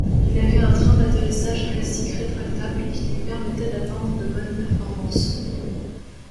Il avait un train d'atterrissage classique rétractable, qui lui permettait d'atteindre de bonnes performances.